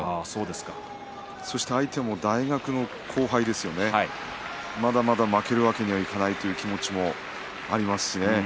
相手も大学の後輩ですよねまだまだ負けるわけにはいかないという気持ちもありますしね。